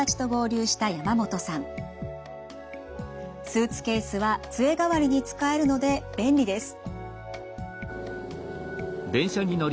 スーツケースは杖代わりに使えるので便利です。